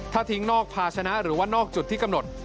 ถ้าทิ้งนอกภาชนะหรือว่านอกจุดที่กำหนด